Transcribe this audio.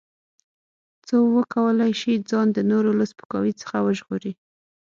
څو وکولای شي ځان د نورو له سپکاوي څخه وژغوري.